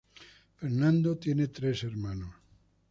Fernando tiene tres hermanos.